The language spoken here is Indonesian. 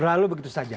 berlalu begitu saja